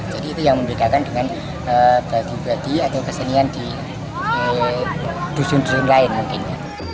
jadi itu yang membedakan dengan badi badi atau kesenian di dusun dusun lain mungkin